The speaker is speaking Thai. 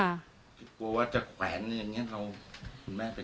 กลัวว่าจะแขวนอย่างนี้เรา